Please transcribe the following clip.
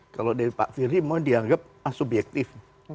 kalau dari pak firi mau dianggap asubjektif